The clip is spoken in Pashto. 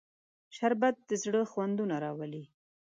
شربت د زړه خوندونه راولي